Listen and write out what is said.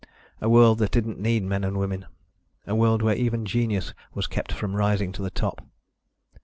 A world that didn't need men and women. A world where even genius was kept from rising to the top.